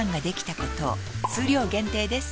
数量限定です